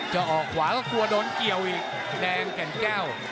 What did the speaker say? ออกขวาก็กลัวโดนเกี่ยวอีกแดงแก่นแก้ว